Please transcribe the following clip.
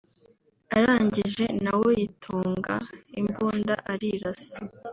arangije na we yitunga imbunda arirasa